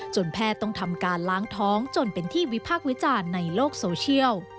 แพทย์ต้องทำการล้างท้องจนเป็นที่วิพากษ์วิจารณ์ในโลกโซเชียล